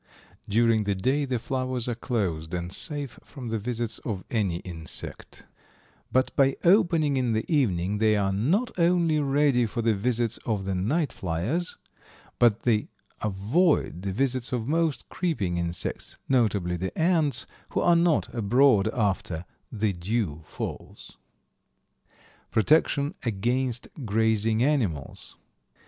During the day the flowers are closed and safe from the visits of any insect, but by opening in the evening they are not only ready for the visits of the night fliers, but they avoid the visits of most creeping insects, notably the ants, who are not abroad after "the dew falls." Protection against grazing animals.